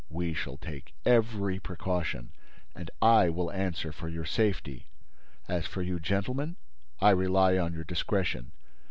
We shall take every precaution and I will answer for your safety. As for you, gentlemen. I rely on your discretion.